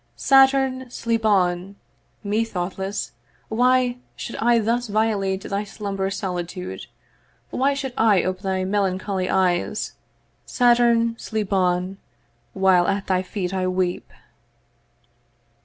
'Saturn! sleep on: Me thoughtless, why should I 'Thus violate thy slumbrous solitude? 'Why should I ope thy melancholy eyes? 'Saturn, sleep on, while at thy feet I weep.'